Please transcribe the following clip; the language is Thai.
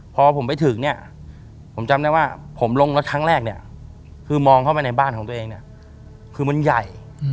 พอผมไปถึงเนี่ยผมจำได้ว่าผมลงรถครั้งแรกเนี่ยคือมองเข้าไปในบ้านของตัวเองเนี่ยคือมันใหญ่